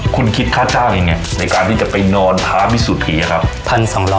คุณคิดค่าจ้างยังไงในการที่จะไปนอนท้าพิสุถีอะครับ